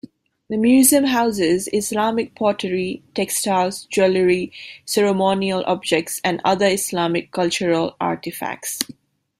The museum houses Islamic pottery, textiles, jewelry, ceremonial objects and other Islamic cultural artifacts.